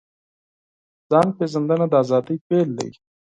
ځان پېژندنه د ازادۍ پیل دی.